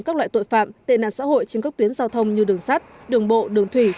các loại tội phạm tệ nạn xã hội trên các tuyến giao thông như đường sắt đường bộ đường thủy